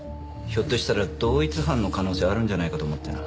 ひょっとしたら同一犯の可能性あるんじゃないかと思ってな。